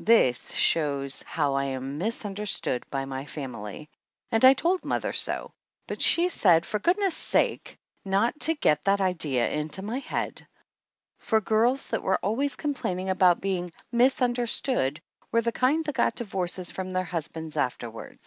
This shows how I am misunderstood by my fam ily, and I told mother so, but she said for good 140 THE ANNALS OF ANN ness' sake not to get that idea into my head, for girls that were always complaining about being "misunderstood" were the kind that got divorces from their husbands afterward.